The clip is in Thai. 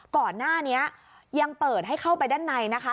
ก่อนหน้านี้ยังเปิดให้เข้าไปด้านในนะคะ